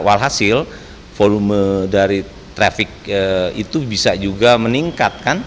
walhasil volume dari traffic itu bisa juga meningkat kan